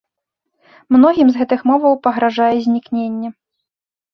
Многім з гэтых моваў пагражае знікненне.